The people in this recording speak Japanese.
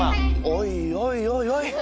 おいおいおいおい。